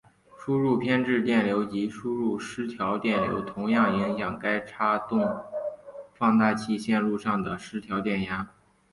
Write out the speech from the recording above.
输入偏置电流及输入失调电流同样影响该差动放大器线路上的失调电压。